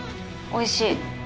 おいしい。